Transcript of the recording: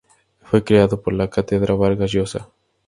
Fue creado por la Cátedra Vargas Llosa.